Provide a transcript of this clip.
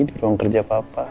di ruang kerja papa